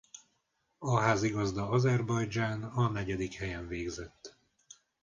A házigazda Azerbajdzsán a negyedik helyen végzett.